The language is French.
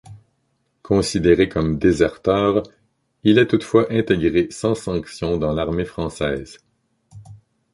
Considéré comme déserteur, il est toutefois intégré sans sanction dans l’armée française.